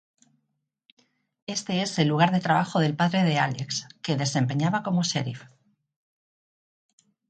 Este es el lugar de trabajo del padre de Alex, que desempeñaba como Sheriff.